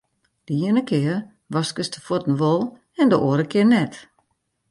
De iene kear waskest de fuotten wol en de oare kear net.